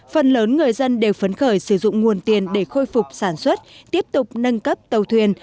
phần lớn người dân đều phấn khởi sử dụng nguồn tiền để khôi phục sản xuất tiếp tục nâng cấp tàu thuyền